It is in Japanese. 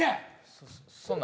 そそんな。